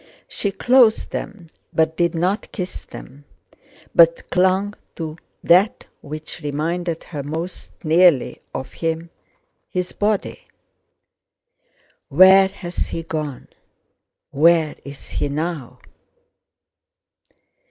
She closed them but did not kiss them, but clung to that which reminded her most nearly of him—his body. "Where has he gone? Where is he now?..."